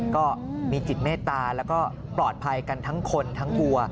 ก็มีจิตเมตตาแล้วก็ปลอดภัยกันทั้งคนทั้งวัว